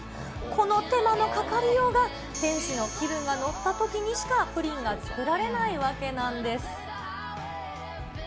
この手間のかかりようが、店主の気分が乗ったときにしかプリンが作られない訳なんです。